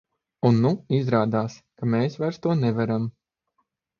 Un nu izrādās, ka mēs vairs to nevaram.